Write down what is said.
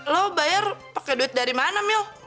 lo bayar pakai duit dari mana mil